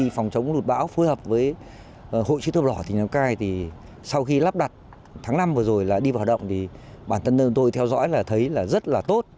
phòng chống đột bạo phối hợp với hội trí thuốc lỏ tỉnh lào cai thì sau khi lắp đặt tháng năm vừa rồi là đi vào hoạt động thì bản thân tôi theo dõi là thấy là rất là tốt